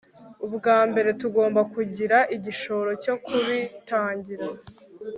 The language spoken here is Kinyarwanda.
ubwa mbere, tugomba kugira igishoro cyo kubitangira